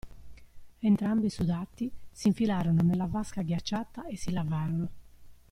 Entrambi sudati, si infilarono nella vasca ghiacciata e si lavarono.